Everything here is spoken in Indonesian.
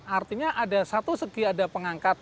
artinya ada satu segi ada pengangkatan